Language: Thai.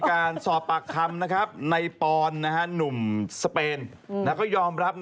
ก็ได้สอบปากคำในปอนเหมือนหนูของพวกสเปน